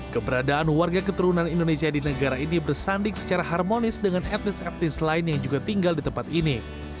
keberadaan warga keturunan indonesia di negara ini bersanding secara harmonis dengan etnis etnis lain yang juga tinggal di tempat ini